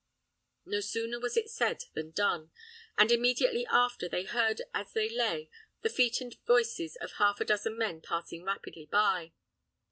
No sooner was it said than done, and immediately after, they heard as they lay, the feet and voices of half a dozen men passing rapidly by.